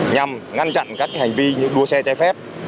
nhằm ngăn chặn các hành vi như đua xe trái phép